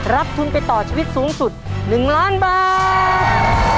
รับทุนไปต่อชีวิตสูงสุด๑ล้านบาท